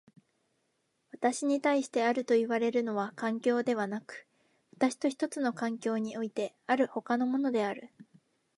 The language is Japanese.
私に対してあるといわれるのは環境でなく、私と一つの環境においてある他のものである。